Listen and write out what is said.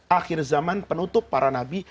akhir zaman penutup para nabi